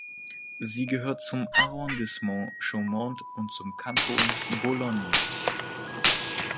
Sie gehört zum Arrondissement Chaumont und zum Kanton Bologne.